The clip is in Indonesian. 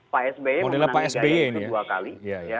pak sby memenangi ganjar itu dua kali